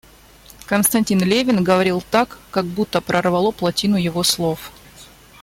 Константин Левин говорил так, как будто прорвало плотину его слов.